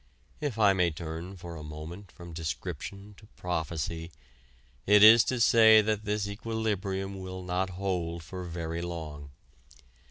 If I may turn for a moment from description to prophecy, it is to say that this equilibrium will not hold for very long.